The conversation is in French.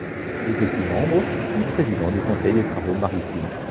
Il est aussi membre puis président du Conseil des travaux maritimes.